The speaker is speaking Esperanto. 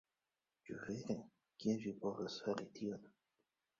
"Ĉu vere? Kiel vi povas fari tion?"